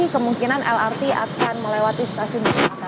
kemungkinan lrt akan melewati stasiun dukuh atas